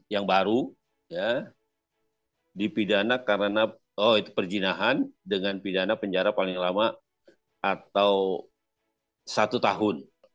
yang baru ya dipidana karena oh itu perjinahan dengan pidana penjara paling lama atau satu tahun